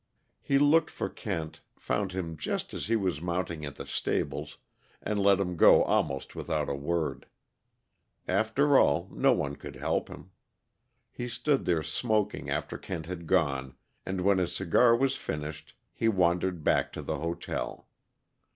He looked for Kent, found him just as he was mounting at the stables, and let him go almost without a word. After all, no one could help him. He stood there smoking after Kent had gone, and when his cigar was finished he wandered back to the hotel.